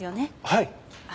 はい。